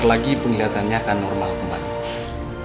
lagipun kelihatannya akan normal kembali